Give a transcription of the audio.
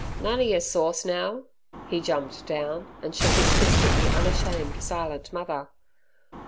"None er yer sauce, now!" He jumped down, and shook his fist at the unashamed, silent mother.